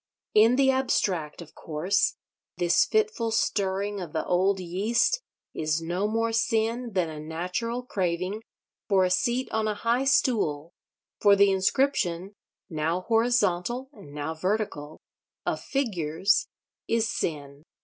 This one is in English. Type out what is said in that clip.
In the abstract, of course, this fitful stirring of the old yeast is no more sin than a natural craving for a seat on a high stool, for the inscription—now horizontal, and now vertical—of figures, is sin.